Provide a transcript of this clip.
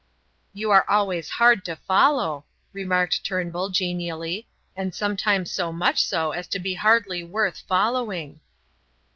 "You are always hard to follow," remarked Turnbull, genially, "and sometimes so much so as to be hardly worth following."